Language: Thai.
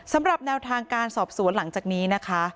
สำหรับแนวทางการสอบสวนหลังจากนี้นะคะ